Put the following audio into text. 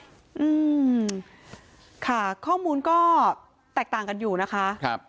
อืมค่ะข้อมูลก็แตกต่างกันอยู่นะคะครับ